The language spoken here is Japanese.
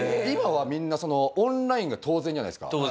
今はみんなオンラインが当然じゃないですか。